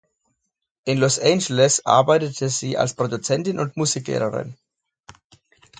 In Los Angeles arbeitete sie als Produzentin und Musiklehrerin.